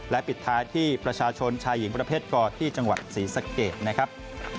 และปิดท้ายที่ประชาชนชายหญิงประเภทกอดที่จังหวัดศรีสะเกดนะครับ